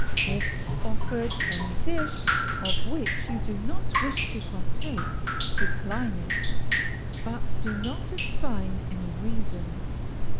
If offered any dish of which you do not wish to partake, decline it, but do not assign any reason.